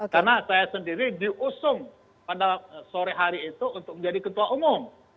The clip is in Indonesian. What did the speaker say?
karena saya sendiri diusung pada sore hari itu untuk menjadi ketua umum